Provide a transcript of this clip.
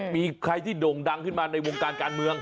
มีใครที่โด่งดังขึ้นมาในวงการการเมือง